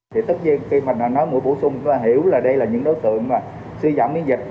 thì tất nhiên khi mà nói mũi bổ sung chúng ta hiểu là đây là những đối tượng mà suy giảm biến dịch